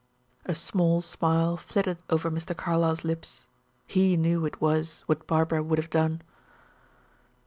A small smile flitted over Mr. Carlyle's lips. He knew it was what Barbara would have done.